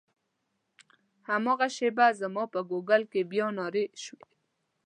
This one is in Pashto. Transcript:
هماغه شېبه زما په ګوګل کې بیا نارې شوې.